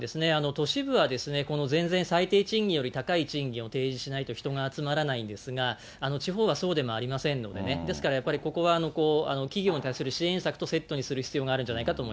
都市部はですね、この全然、最低賃金より高い賃金を提示しないと人が集まらないんですが、地方はそうでもありませんのでね、ですからやっぱり、ここは企業に対する支援策とセットにする必要があるんじゃないか